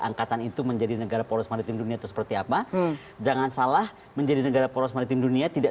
angkatan itu menjadi negara polos mati dunia seperti apa jangan salah menjadi negara polos mati dunia